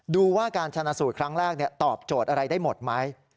ดูว่าการชนะสูตรครั้งแรกตอบโจทย์อะไรได้หมดไหม